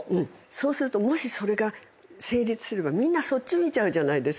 そうするともしそれが成立すればみんなそっち見ちゃうじゃないですか。